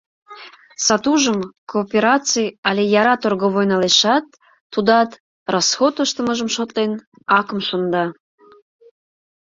Сатужым коопераций але яра торговой налешат, тудат, расход ыштымыжым шотлен, акым шында.